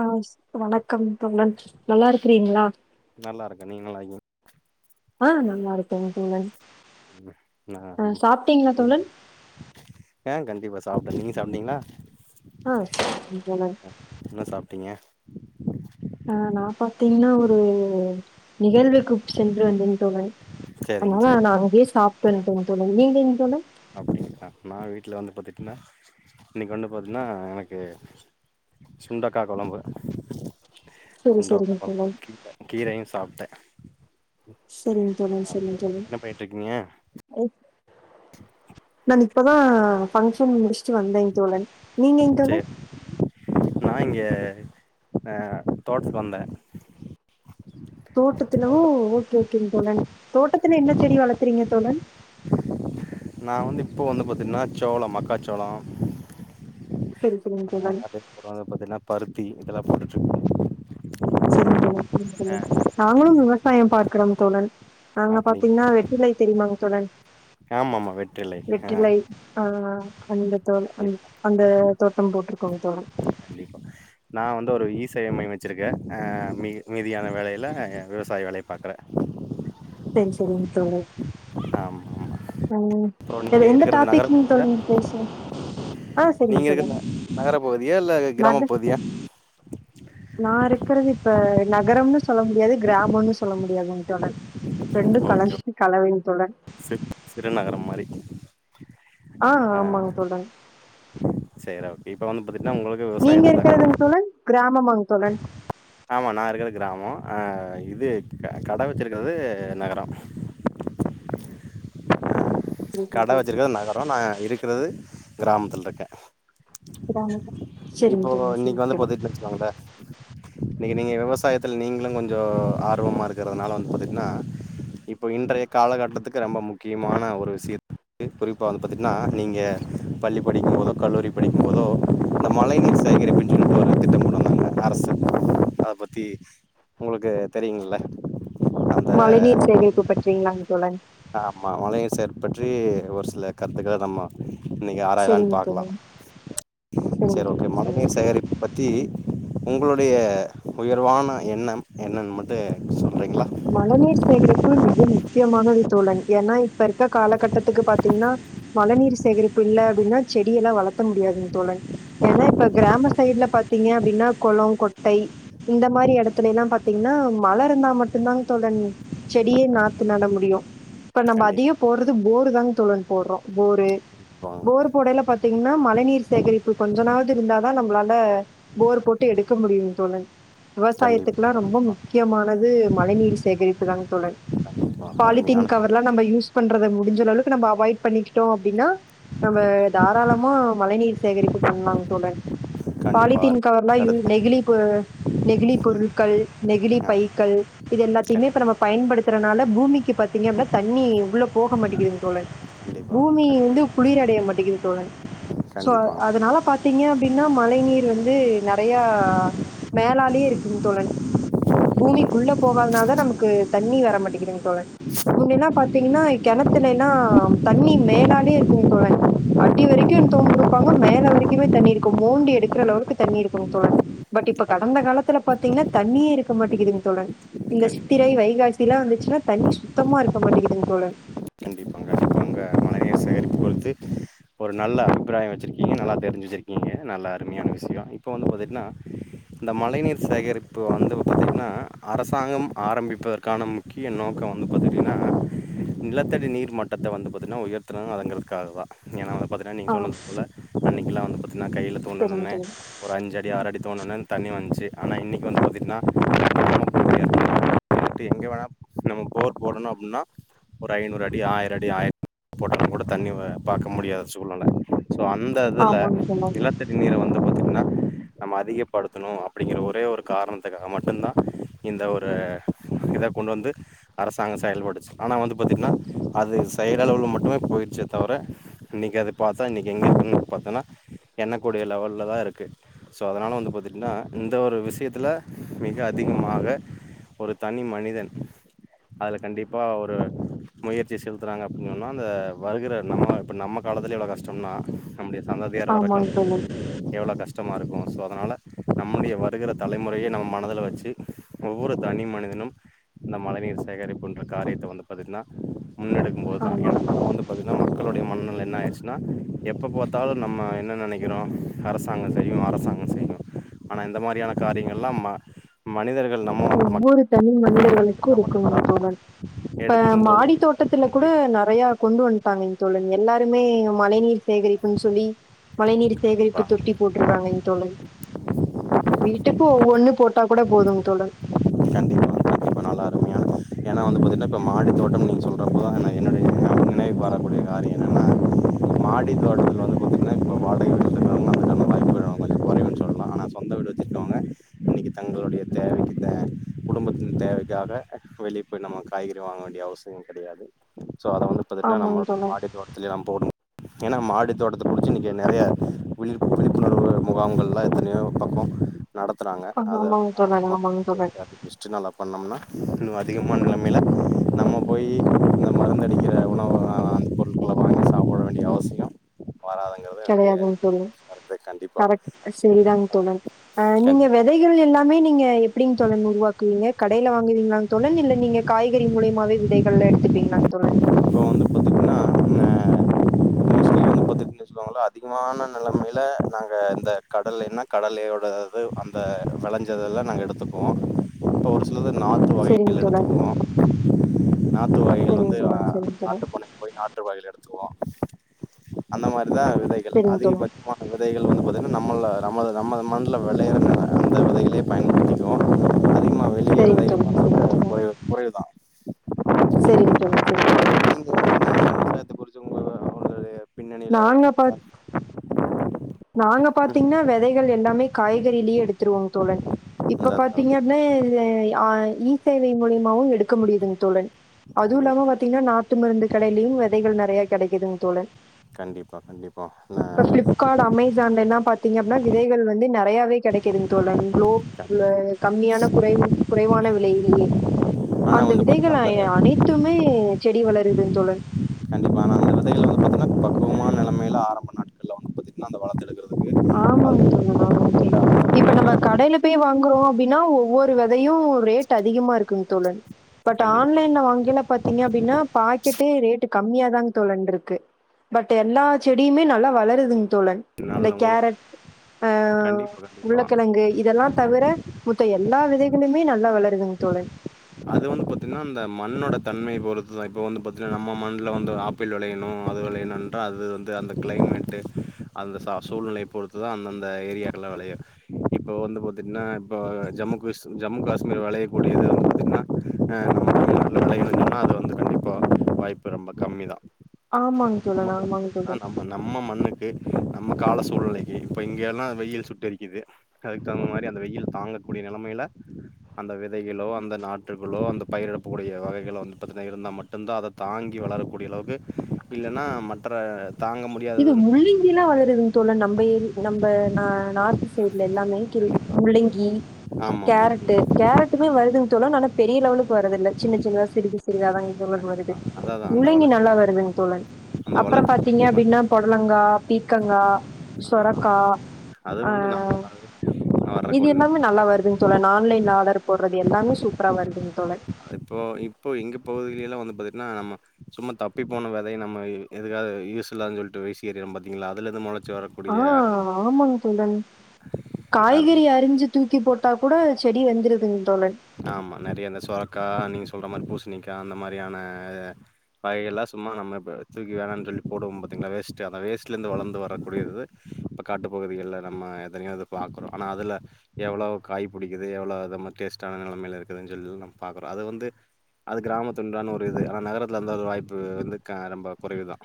ஆ வணக்கம் தோழன் நல்லா இருக்கிறீங்ளா நல்லா இருக்கு நீங்ளு ஆயி ஆ நல்லா இருக்கோங் தோழன் ஆ சாப்ட்டீங்களா தோழன் [inaudible] ஆ கண்டிப்பா சாப்ட்டேன் நீங்க சாப்டீங்ளா ஆ சொன்னாங்க சாப்ட்டீங்க ஆ நா பாத்தீங்கனா ஒரு நிகழ்வுக்கு சென்று வந்தேன் தோழன் சேரிங்க அதனால சேரி நா அங்யே சாப்ட்டு வந்ட்டேங் தோழன் நீங்கங்க தோழன் அப்டிங்ளா நா வீட்ல வந்து பாத்திட்டிங்னா இன்னைக்கு வந்து பாத்தீங்னா எனக்கு சுண்டக்கா கொழம்பு சரி சுண்டக்கா சரிங்க கொழம்பு தோழன் கீர கீரயு சாப்ட்ட செரிங் தோழன் செரிங் தோழன் என்ன பண்ணிட்டு இருக்கீங்க நான் இப்பதா ஃபங்க்ஷன் முடிச் சு வந்தேங் தோழன் நீங்கங்க தோழன் சேரி நா இங்கே அ தோட்டதுக்கு வந்த தோட்டத்துல ஓ ஓகே ஓகேங் தோழன் தோட்டத்துல என்ன செடி வளத்துறீங்க தோழன் நா வந்து இப்போ வந்து பாத்தீங்கன்னா சோளோ மக்காச்சோளோ சரி சரிங்க ஆ தோழன் அது அப்புறோ வந்து பாத்தீங்கனா பருத்தி இதெல்லா போட்டுட்டுருந்தோ ஆ நாங்குளு விவசாயம் பாக்குறோ தோழன் ஆ நாங்க அப்டி பாத்தீங்ன்னா வெற்றிலை தெரியுமாங் தோழன் ஆமா ஆமா வெற்றிலை ஆ வெற்றிலை அதனால அந்த தோல் அந் கண்டிப்பா அந்த தோட்டோம் போட்ருக்கோங் தோழன் கண்டிப்பா நா வந்து ஒரு இ சேவை மையோ வெச்சிருக்க ஆ மீ மீதியான வேலைல விவசாய வேலய பாக்குறே செரி செரிங் தோழன் ஆமா ஆமா ம் இப்போ இது நீங்க எந்த இருக்கறது டாபிக்ங்க நகரத்துலயா தோழன் பேசுவோ ஆ செரிங்க நீங்க தோழன் இருக்குற நகர பகுதியா இல்ல கிராம நகர் பகுதியா நா இருக்றது இப்ப நகரம்னு சொல்ல முடியாது கிராமோனு சொல்ல முடியாதுங் தோழன் ரெண்டு ஓகே கலஞ்ச்சிட்டு கலவைங் தோழன் சி சிறுநகரம் மாரி ஆ ஆமாங்க தோழன் சேரி ஓகே இப்ப வந்து பாத்துட்டிங்னா உங்களுக் நீங்க இருக்குறதுங் தோழன் கிராமமாங் தோழன் ஆமா நா இருக்குறது கிராமோ ஆ இது கட வெச்சிருக்குறது நகரோ செரிங்க கட வெச்சுருக்கிறது நகரோ நா இருக்குறது கிராமத்லருக்கே தோழன் செரிங்க இப்போ தோழன் இன்னிக்கு செரிங்க வந்து தோழன் பத்துக்குட்டா வெச்சிக்கோங்ள நீங்க நீங்க விவசாயத்துல நீங்களு கொஞ்சோ ஆர்வமா இருக்கறதுனால வந்து பாத்துட்னா இப்போ இன்றைய காலகட்டத்துக்கு ரொம்ப முக்கியமான ஒரு விஷயோ குறிப்பா வந்து பாத்திட்ன்னா நீங்க பள்ளி படிக்கு போதோ கல்லூரி படிக்கு போதோ இந்த மழை நீர் செகரிப்பின் அரசு அத பத்தி உங்களுக்கு தெரியுங்கள்ல மழை நீீர் சேகரிப்பு பற்றீங்ளாங் தோழன் ஆமா மழைநீர் சேகரிப்பு பற்றி ஒரு சில கருத்துக்கள நம்ம இன்னிக்கி ஆராயிரான் செரிங்க பாக்கலா தோழன் செரிங்க சேரி ஓகே தோழி மழ செரிங்க நீர் தோழி சேகரிப்பு பத் தி உங்களுடைய உயர்வான எண்ணம் என்னனு மட்டு எனக்கு சொல்றீங்ளா மழை நீர் சேகரிப்பு மிக முக்கியமானது தோழன் ஏனா இப்ப இருக்க காலகட்டத்துக்கு பாத்தீங்னா மழை நீீர் சேகரிப்பு இல்ல அப்டின்னா செடியெல்லா வளத்த முடியாதுங் தோழன் எனா இப்ப க்ராம சைட்ல பாத்தீங்க அப்டின்னா கொளோ கொட்டை இந்த மாரி எடத்துலைலா பாத்தீங்னா மழ இருந்தா மட் டுங்தா தோழன் செடியே நாத்து நட முடியு இப்ப நம்ப அதிக கண்டிப்பா போட்ற து போரு தாங் தோழன் போட்றோ போரு பாங் போர் போடைல பாத்தீங்னா மழை நீர் சேகரிப்பு கொஞ்சோனாது இருந்தாதா நம்ளால போர் போட்டு எடுக்க முடியுங் தோழன் கண்டிப் விவசாயத்துக்குல்லா ரொம்ப கண்டிப்பா முக்கியமானது மழை நீர் சேகரிப்புதாங் தோழன் கண்டிப்பா பாலித்தீன் அருமையான கவர்லா நம்ம யூஸ் பண்றத முடிஞ்ச லெவளுக்கு நம்ம அவாய்ட் பண்ணிக்கிட்டோ அப்டின்னா நம்ம தாராளமா மழை நீீர் சேகரிப்பு பண்லாங் தோழன் கண்டிப்பா பாலித்தீன் அரு கவர்லா யூ கருத்து நெகிலி கு நெகிழி பொருட்கள் நெகிழி ஆ பைக்கள் இத எல்லாத்துயுமே கண்- இப்ப நம்ம பயன்படுத்துறனால பூமிக்கு பாத்தீங்க அப்டினா தண்ணி உள்ள போக மாட்டிங்கிதுங்க தோழன் கண்டிப்பாங்க பூமி கண் வந்து குளிரடைய மாட்டிகிது தோழன் சோ அ கண்டிப்பாங்க அதனால பாத் தீங்க அப்டின்னா மழை நீர் வந்து நறையா மேலாலயே இருக்குங் தோழன் பூமிக்குள்ள போகாதுனால தா நமக்கு தண்ணி வர மாட்டிகிதுங் தோழன் முன்னெல்லா பாத்தீங்கனா கெணத்துலைலா தண்ணி மேலாலயே இருக்குங் தோழன் அடி வரைக்கு தோன்றுருப்பாங்க மேல வரைக்குமே தண்ணி இருக்கு மோண்டி எடுக்குற லெவல்க்கு தண்ணி இருக்கனு தோழன் பட் இப்ப கண் கடந்த காலத்துல பாத்தீங்ன்னா தண்ணியே இருக்க மாட்டேகிதுங் தோழன் இந்த சித்திரை கண்டிப்பாங்க வைகாசிலா வந்துச்சுனா தண்ணி சுத்தமா இருக்க மாட்டிகிதுங் தோழன் கண்டிப்பா கண்டிப்பாங்க மழை நீர் சேகரிப்பு பொறுத்து ஒரு நல்ல அபிப்ராயோ வச்சிருக்கீங்க நல்லா தெரிஞ்சு வச்சிருக்கீங்க நல்ல அருமயான விஷ்யோ இப்ப வந்து பாத்திட்னா இந்த மழைநீர் சேகரிப்பு வந்து பாத்தீங்கன்னா அரசாங்கம் ஆரம்பிப்பதற்கான முக் கிய நோக்கோ வந்து பாத்திட்டினா நிலத்தடி நீர் மட்டத்த வந்து பாத்துட்னா உயர்த்தனங்கறதுக்காக தா ஏனா வந்து பாத்துட்னா நீங்க ஆ, சொன்னதுபோல அன்னக்கில்லா வந்து பாத்தீங்கன்னா கைல சரிங்க தோண்டனுனே தோழன். ஒரு அஞ்சடி ஆறு அடி தோண்னோனே அந் தண்ணி வந்துச்சுஆனா இன்னக்கி வந்து பாத்திட்னா ட்டு எங்க வேணா நம்ம போர் போடணு அப்டின்னா ஒரு ஐநூறு அடி ஆய்ர அடி ஆய்ர போட்டாலு கூட தண்ணி வ பாக்க முடியாத சூழ்நெல ஸோ அந்த இதுல ஆமாங்க தோழன். நிலத்தடி நீர வந்து பாத்தீங்ன்னா நம்ம அதிகப்படுத்தணு அப்டிங்ற ஒரே ஒரு காரணத்துக்காக மட்டுந்தா இந்த ஒரு இத கொண்வந்து அரசாங்கோ செயல்பட்டுச்சு ஆனா வந்து பாத்திட்னா அது செயல் அளவுல மட்டுமே போய்ருச்சே தவர இன்னைக் அது பாத்தா இன்னைக் எங்க இருக்குன் பாத்தோன்னா எண்ண கூடிய லெவல்ல தாருக்கு ஸோ அதனால வந்து பாத்திட்னா இந்த ஒரு விஷ்யத்துல மிக அதிகமாக ஒரு தனி மனிதன் அதுல கண்டிப்பா ஒரு முயற்சி செலுத்துறாங்க அப்டின் சொன்னா அந்த வருகுற நம்ம இப்ப நம்ம காலத்துலே இவ்ளோ கஷ்டம்னா நம்முடைய சந்ததியார் வர்ற கால ஆமாங்க தோழன். எவ்ளோ கஷ் டமாருக்கு ஸோ அதனால நம்முடைய வருகுற தலைமுறையே நம்ம மனதுல வச்சு ஒவ்வொரு தனி மனிதனும் இந்த மழை நீர் சேகரிப்புன்ற காரியத்த வந்து பாத்திட்ன்னா முன்ன ஆமாங் தோழன் நா மக்களுடைய மனநெலை என்ன ஆயிருச்சுன்னா எப்ப பாத்தாலு நம்ம என்ன நெனக்கிறோ அரசாங்கோ செய்னு அரசாங்கோ செய்னு ஆனா இந்த மாரியான காரியங்கள்லா ம மனிதர்கள் நம்ம ஒவ்வொரு தனி மனிதர்களுக்கு மட்டுந்தா இருக்கணுங் தோழன் இப்ப எடுத்துக்கும் போது தான் மாடித்தோட் இது ட்டத்துல பண்ண கூட முடியு நறையா கொண்டு வன்ட்டாங்கெங் தோழன் எல்லாருமே மழை நீர் சேகரிப்புன் சொல்லி மழைநீர் சேகரிப்பு கண்டிப்பா தொட்டி போட்ருக்காங்கைங் தோழன் வீட்டுக்கு ஒவ்வொன்னு போட்டா கூட போதுங் தோழன் கண்டி ஏனா வந்து பாத்திட்னா இப்போ மாடித் தோட்டம் நீங்க சொல்றப்பதா நா என்னுடைய நினைவுக்கு வரக்கூடிய காரியோ என்னன்னா மாடி தோட்டத்துக்கு வந்து பாத்திட்னா இப்போ வாடக வீடு [inaudible] குறைவுன் சொல்லலா ஆனா சொந்த வீடு வச்சுருக்கவங்க இன்னக்கி தங்களுடைய தேவைக்கு தே குடும்பத்தின் தேவைக்காக வெளி போய் நம்ம காய்கறி வாங்க வேண்டிய அவசியோ கெடயாது ஸோ அத வந்து பாத்திட்னா ஆமாங்க நம்ளுடைய தோழன். மாடி தோட்டத்திலயே நம்ம போடும் ஏனா மாடி தோட்டத்த புடிச்சு இன்னக்கி நறையா விழி விழிப்புணர்வு முகாம்கள்லா எத்தனயோ பக்கோ நடத்துறாங்க ஆ, அத ஆமாங்க அத தோழன், நம்ம ஆமாங்க தோழன். [inaudible] பெஸ்ட்டு நல்லா பண்ணம்னா இன்னு அதிகமான நெலமைல நம்ம போயி இந்த மருந்தடிக்கிற உணவு அந்த பொருட்கள வாங்கி சாப்ட வேண்டிய அவசியோ கெடயாதுங் தோழன் கருத்து கண்டிப்பா கரெக்ட் செரிதாங் தோழன் ஆ நீங்க கண்டிப்பா வெதைகள் எல்லாமே நீங்க எப்டிங் தோழன் உருவாக்குவீங்க கடைல வாங்குவீங்ளாங் தோழன் இல்ல நீங்க காய்கறி மூலியமாவே விதைகள்லா எடுத்துப்பீங்லாங் தோழன் இப்போ வந்து பாத்தீங்கன்னா தெரிஞ்சி சொல்லுவாங்கள அதிகமான நிலைமையில நாங்க இந்த கடலையென்ன கடலையோட அது அந்த விளைஞ்சதெல்லாம் நாங்க எடுத்துக்குவோம். இப்ப ஒரு சிலது நாத்து சரிங்க வகையில தோழன். எடுத்துக்குவோம் நாத் து நாட்டு வகைகள் சரிங்க வந்து தோழன், சரிங்க தோழன். நாட்டுப்பண்ணைக்கு போய் நாட்டு வகைகள் எடுத்துக்குவோம். அந்த மாரிதான் விதைகள் சரிங்க தோழன். அதிகபட்சமா விதைகள் வந்து பார்த்தீங்கன்னா நம்மல்ல நம்ம நம்ம மண்ல விளையிற அந்த விதைகளையே பயன்படுத்தி செரிங்க தோழர், செரிங்க பண்றது தோழர், குறைவு குறைவுதா செரிங்க தோழர், செரிங்க தோழர். [inaudible] பின்ன இல்லா நாங்க பாத் நாங்க பாத்தீங்கன்னா விதைகள் எல்லாமே காய்கறிலயே எடுத்துருவோங்க தோழன். இப்ப பார்த்தீங்க அப்டின ஆ இ-சேவை மூலியமாவும் எடுக்க முடியுதுங்க தோழன். அதுவும் கண்டிப்பா இல்லாம பாத்தீங்கன்னா நாட்டு மருந்து கடையிலயும் விதைகள் நறைய கிடைக்குது தோழன். கண்டிப்பா கண்டிப்பா ஆ ஏஜ்ஜான்டல்லா பாத்தீங்க அப்டினா விதைகள் வந்து நறையாவே கிடைக்குது தோழன்ங்ளோ இல்ல கம்மியான குறை குறைவான விலையிலேயே ஆனா அந்த வி வந்து விதைகள் பாத்தீங்கன்னா, அந்த அனைத்துமே செடி வளருது தோழன் கண்டிப்பா அந்த விதைகள் வந்து பாத்தீங்கனா பக்குவமான நிலமை எல்லா ஆரம்ப நாட்கள் பத்தீங்கனா அந்த பழத்த எடுக்கிறது ஆமாங் தோழன் ஆமாங் தோழன் அந்த இப்ப நம்ம முறைகளை கடையில போய் வாங்குறோம் அப்டின்னா ஒவ்வொரு விதையும் ரேட் அதிகமா இருக்குங்க தோழன் பட் கண்டிப்பா. ஆன்லைன்ல வாங்கில பாத்தீங்கனா அப்டின்னா பாக்கெட்டே ரேட்டு் கம்மியாதான்ங்க தோழன் இருக்கு பட் எல்லா செடியுமே நல்லா வளருதுங்க தோழன் இந்த நல்ல முறை கேரட் ஆ கண்டிப்பா கண்டிப்பா. உருளக்கிழங்கு இதெல்லாம் தவிர மத்த எல்லா விதைகளுமே நல்லா வளருதுங்க தோழன் அது வந்து பாத்தீங்கன்னா அந்த மண்ணோட தன்மை பொறுத்துதான் இப்ப வந்து பாத்தீங்கன்னா நம்ம மண்ல வந்து ஆப் பிள் விளையணும் அது விளையணுன்றால் அது வந்து அந்த கிளைமேட்டு அந்த ச சூழ்நிலையை பொறுத்து தான் அந்தந்த ஏரியாக்கெலாம் விளையு இப்போ வந்து பார்த்தீங்கன்னா, இப்போ ஜம்மு காஷ்ர் ஜம்மு காஷ்மீர் விளையக்கூடியது வந்து பார்த்தீங்கன்னா நம்மல்லா விளையதுனா அது வந்து கண்டிப்பா வாய்ப்பு ரொம்ப கம்மிதான். ஆமாங்க தோழன், ஆமாங்க தோழன். நம்ம நம்ம மண்ணுக்கு நம்ம கால சூழ்நிலைக்கு இப்ப இங்கெல்லாம் வெயில் சுட்டு எரிக்குது அதுக்கு தகுந்த மாரி அந்த வெயில் தாங்கக்கூடிய நிலமையில அந்த விதைகளோ அந்த நாத்துகளோ அந்த பயிர் இடப்பக்கூடிய வகைகளை வந்து பாத்தினா இருந்தா மட்டு்தான் அத தாங்கி வளரக்கூடிய அளவுக்கு இல்லன்னா மற்ற தாங்க இது முடியாததுன்னு முள்ளிங்கல்லாம் வளருங்குது தோழன் நம்ம ஏரி நம்ம நா நார்த்து சைட்ல எல்லாமே கில் கண்டிப்பா முள்ளங்கி ஆமா ஆமா கேரட்டு கேரட்டுமே வருதுங்க தோழன் ஆனா பெரிய லெவளுக்கு வர்றதில்ல சின்ன சின்னதா சிறிது சிறிதான்ங்கது வருது கண்டிப்பா அதாதா அந்த முள்ளங்கி வள நல்லா வருதுங்க தோழன் அந்த அப்பறம் பாத்தீங்க வளர்ச்சி அப்டின்னா பொடலங்கா பீக்கங்கா ஆ சொரக்கா அது ஆ வந்து நாத்து ஆறு இது எல்லாமே நல்லா வருதுங்க தோழன் ஆன்லைன்ல ஆர்டர் போடுறது எல்லாமே சூப்பரா வருதுங்க தோழன் இப்போ இப்போ எங்க பகுதியில்லாம் வந்து பாத்தீங்கன்னா ஆமா சும்மா தப்பி போன விதை நம்ம எதுக்காது யூஸ் இல்லாதுன்னு சொல்லிட்டு வீசியெறிவோம் பாத்தீங்களா அதுல இருந்து முளைச்சி வரும் ஆ ஆமாங் தோழன் அது காய்கெறி அரிஞ்சு தூக்கி போட்டாக்கூட செடி வந்திருக்திங் தோழன் ஆமா நெறைய இந்த சொரக்கா நீங்க சொல்ற மாரி பூஸ்ணிக்கா அந்த மாரியான அ காயெல்லா சும்மா நம்ம இப்ப தூக்கி வேணான் சொல்லி போடுவோம் பாத்தீங்களா வேஸ்ட்டு அந்த வேஸ்ட்லெந்து வளந்து வரக்கூடியது இப்ப காட்டு பகுதிகள்ல நம்ம எத்தனியோ இது பாக்குறோ ஆனா அதுல எவ்வளவ் காய் பிடிக்குது எவ்ளோ இத் நம்ம டேஸ்டான நெலமைல இருக்குதுன் சொல் நம் பாக்குறோ அத வந்து அது கிராமத்துண்டான ஒரு இது ஆனா நகரத்துல இருந்தா அது ஒரு வாய்ப்பு வந்து க ரொம்ப கொறைவுதா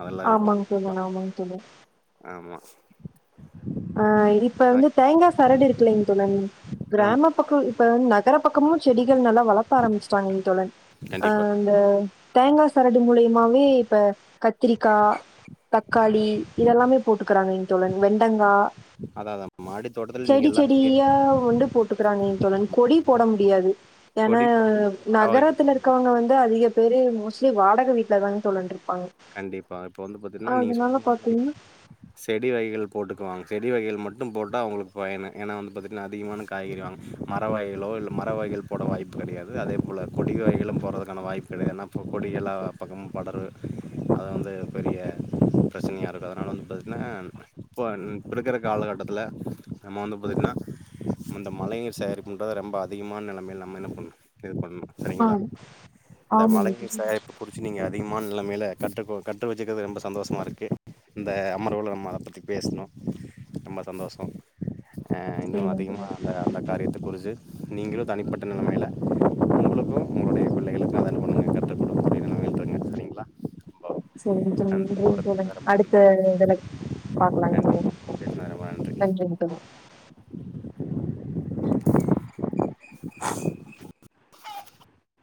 அதெல்லா இது பண் ஆமாங்க வ தோழன் ஆமாங்க தோழன் ஆமா ஆ இப்ப வந்து தேங்கா சரடு இருக்குலைங்க தோழன் ஆமா கிராம பக்கோ இப்ப வந் நகர பக்கமு செடிகள் நல்லா வளக்க ஆரம்பிச்சுட்டாங்க தோழன் அ கண்டிப்பா. இந்த தேங்கா சரடு மூலியமாவே இப்ப கத்திரிக்கா தக்காளி இதெல்லாமே போட்டுக்குறாங்கெய்ங் தோழன் வெண்டங் கா அதான் அதான் மாடி தோட்டத்துல செடி நீங்க எல்லா வகையான செடியா வந்து போட்டுக்கிறாங்கய்ங் தோழன் கொடி போட முடியாது ஏனா கொடி போட முடியாது, மர வகைகள் போட நகரத்துல முடியாது. இருக்கவங் க வந்து அதிக பேரு மோஸ்ட்லி வாடக வீட்லதாங் தோழன் ட்ருப்பாங்க கண்டிப்பா இப்ப வந்து பாத்தீட்ன்னா நீங்க சொல்ல மாரி பாத்தீங்கன்னா [inaudible] செடி வகைகள் போட்டுக்குவாங் செடி வகைகள் மட்டு போட்டா அவுங்களுக்கு பயனு ஏனா வந்து பாத்தீட்ன்னா அதிகமான காய்கறி வாங்க மர வகைகளோ இல்ல மர வகைகள் போட வாய்ப்பு கெடையாது அதே போல கொடி வகைகளு போட்றதுக்கான வாய்ப்பு கெடையாத் ஏனா இப்போ கொடி எல்லா பக்கமு படரு அது வந்து பெரிய ப்ரெச்சனையானது அதனால வந்து பாத்தீட்ன்னா இப்போ அன் இப்ப இருக்குற காலகட்டத்தில நம்ம வந்து பாத்தீட்ன்னா நம் அந்த மழைநீர் சேகரிப் புன்றது ரொம்ப அதிகமான நெலைமையில் நம்ம என்ன பண்ணு இது பண்ணு செரிங்களா ஆ இந்த ஆமாங்க மழைநீர் தோழி சேகரிப்பு புடிச்சு நீங்க அதிகமான் நில மேல கற்றுக்கோ கற்று வெச்சுக்கிற்து ரொம்ப சந்தோஷ்மா இருக்கு இந்த அமர்வுல நம்ம அத பத்தி பேஸ்னோ ரொம்ப சந்தோஷோ அ இன்னு சரிங்க அதிகமா தோழி அந்த இந்த காரியத்த குறிச்சு நீங்களு தனிப்பட்ட நெலைமையில உங்களுக்கு உங்களுடைய பிள்ளைகளுக்கு அதென்ன பண்ணுங்க கற்கறுக்குடுங்க [inaudible] சரிங்ளா சேரி [unintelligible] நன்றிங் நன்றி தோழன் நேரம் அடுத்த நன்றி இதுல பாக்கலாய்ங் தோழர் கண்டிப்பா பேசுனது ரொம்ப நன்றி நன்றிங் தோழன்